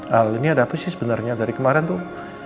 hal ini ada apa sih sebenarnya dari kemarin tuh